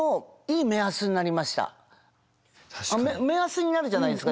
目安になるじゃないですか。